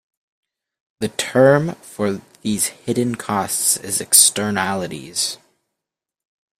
The term for these hidden costs is "Externalities".